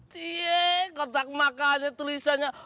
ciee kotak makanya tulisannya